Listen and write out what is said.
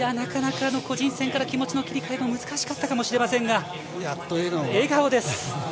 個人戦から気持ちの切り替えが難しかったかもしれませんが、笑顔です。